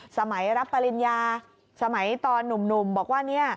สมัยรับปริญญาสมัยตอนหนุ่มบอกว่า